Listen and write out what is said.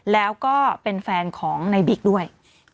แล้วก็เป็นแฟนของในบิ๊กด้วย